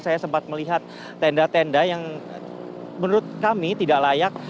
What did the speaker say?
saya sempat melihat tenda tenda yang menurut kami tidak layak